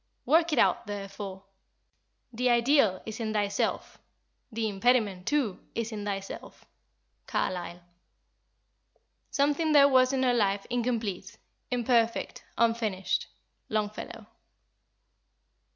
Work it out therefore. The Ideal is in thyself, the impediment too is in thyself." CARLYLE. "Something there was in her life incomplete, imperfect, unfinished." LONGFELLOW.